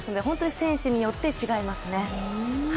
本当に選手によって違いますね。